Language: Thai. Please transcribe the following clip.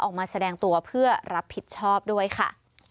ออกมาแสดงตัวเพื่อรับผิดชอบด้วยค่ะ